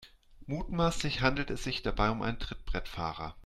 Mutmaßlich handelt es sich dabei um einen Trittbrettfahrer.